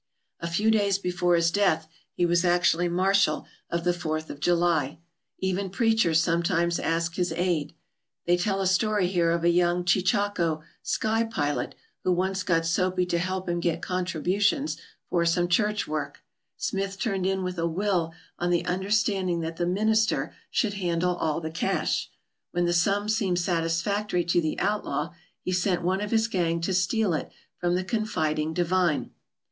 "A few days before his death he was actually mar shal of the Fourth of July. Even preachers some times asked his aid. They tell a story here of a young cheechako 'sky pilot' who once got Soapy to help him get contributions for some church work. Smith turned in with a will on the understanding that the minister 103 ALASKA OUR NORTHERN WONDERLAND should handle all the cash. When the sum seemed satis factory to the outlaw, he sent one of his gang to steal it from the confiding divine.